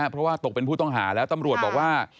เพราะว่าตกเป็นผู้ต้องหาแล้วตำรวจบอกว่า